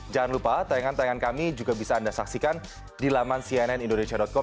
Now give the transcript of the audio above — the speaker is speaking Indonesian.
jangan lupa tayangan tayangan kami juga bisa anda saksikan di laman cnnindonesia com